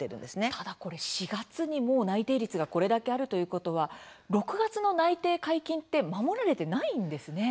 ただこれ４月に、もう内定率がこれだけあるということは６月の内定解禁って守られてないんですね。